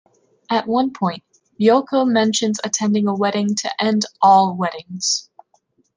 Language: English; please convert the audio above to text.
At one point Ryoko mentions attending a "wedding-to-end-all-weddings".